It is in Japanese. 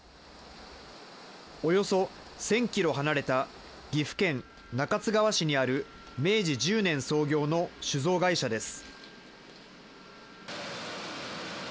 およそ１０００キロ離れた、岐阜県中津川市にある明治１０年創業の酒造会社です。